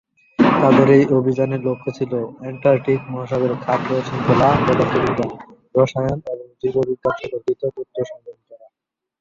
তাঁদের এই অভিযানের লক্ষ্য ছিল অ্যান্টার্কটিক মহাসাগরে খাদ্য শৃঙ্খলা পদার্থবিজ্ঞান, রসায়ন এবং জীববিজ্ঞান সম্পর্কিত তথ্য সংগ্রহ করা।